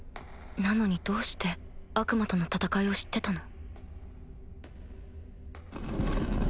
なのにどうして悪魔との戦いを知ってたの？